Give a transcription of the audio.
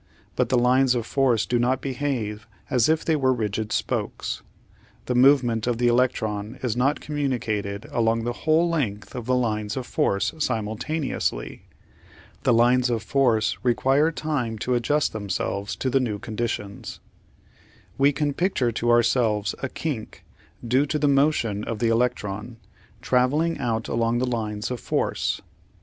But the lines of force do not behave as if they were rigid spokes. The movement of the electron is not communicated along the whole length of the lines of force simultaneously. The lines of force require time to adjust them selves to the new conditions. We can picture to ourselves a kink, due to the motion of the electron, travelling out along the lines of force (see Fig.